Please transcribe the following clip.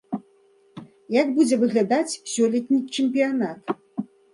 Як будзе выглядаць сёлетні чэмпіянат?